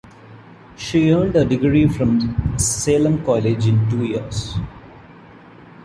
She earned her degree from Salem College in two years.